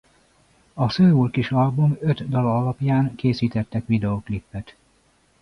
A Soul Kiss album öt dala alaján készítettek videóklipet.